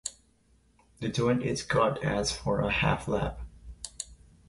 The joint is cut as for a half lap.